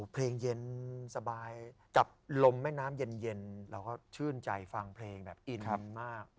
เพลงเย็นสบายกับลมแม่น้ำเย็นเราก็ชื่นใจฟังเพลงแบบอินมาก